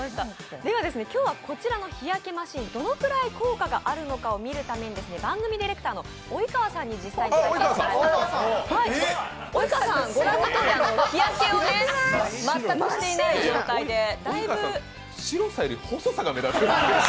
今日はこちらの日焼けマシン、どのくらい効果があるのかを見るために番組ディレクターの及川さんに実際に使っていただきます。